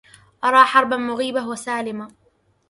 أرى حربا مغيبة وسلما